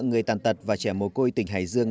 người tàn tật và trẻ mồ côi tỉnh hải dương